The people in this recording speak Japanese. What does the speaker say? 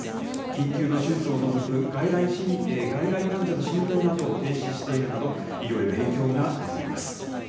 緊急の手術を除く外来患者の診療などを停止しているなど、医療への影響が出ています。